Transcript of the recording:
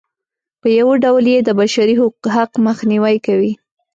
په یوه ډول یې د بشري حق مخنیوی کوي.